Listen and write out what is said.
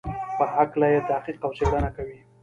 په هکله یې تحقیق او څېړنه کوي.